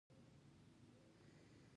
خوشبو که راخوره د زلفو دام پۀ دواړه لاسه